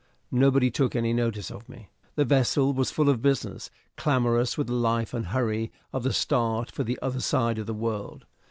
Nobody took any notice of me. The vessel was full of business, clamorous with the life and hurry of the start for the other side of the world.